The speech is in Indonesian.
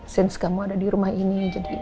sense kamu ada di rumah ini